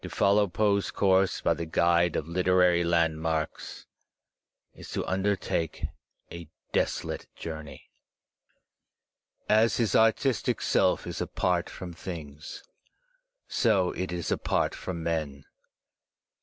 To follow Poe's coiu*se by the guide of literary landmarks is to undertake a desolate journey. As his artistic self is apart from things, so it is apart from men.